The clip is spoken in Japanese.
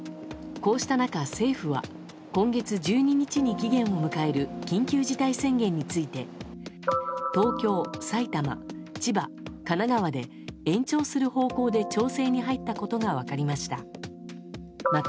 こうした中、政府は今月１２日に期限を迎える緊急事態宣言について東京、埼玉、千葉、神奈川で延長する方向で調整に入ったことが分かりました。